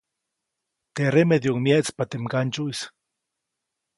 Teʼ remedyuʼuŋ myeʼtspa teʼ mgandsyuʼis.